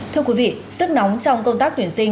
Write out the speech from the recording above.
thưa quý vị sức nóng trong công tác tuyển sinh